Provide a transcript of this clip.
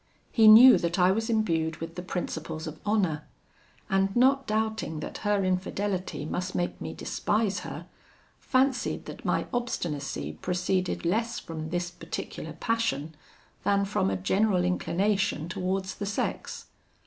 He knew that I was imbued with the principles of honour; and not doubting that her infidelity must make me despise her, fancied that my obstinacy proceeded less from this particular passion, than from a general inclination towards the sex.